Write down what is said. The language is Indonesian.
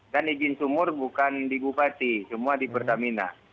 dan izin sumur bukan di gupati semua di pertamina